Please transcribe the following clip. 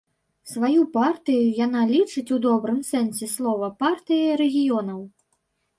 Сваю партыю яна лічыць у добрым сэнсе слова партыяй рэгіёнаў.